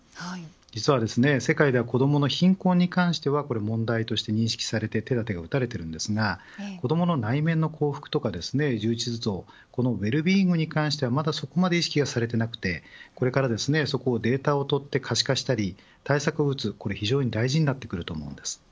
実は世界では子どもの貧困に関しては問題として認知されて手だてが打たれていますが子どもの内面の幸福や充実度、ウェルビーイングに関してはまだそこまで意識はされていなくてこれからデータを取って可視化したり対策を打つ、これが非常に大事になってくると思います。